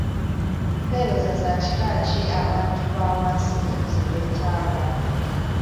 Mpeereza za kika ki abantu ba wansi ze beetaaga?